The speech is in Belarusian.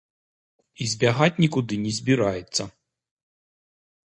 І збягаць нікуды не збіраецца.